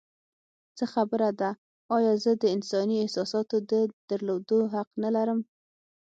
څه خبره ده؟ ایا زه د انساني احساساتو د درلودو حق نه لرم؟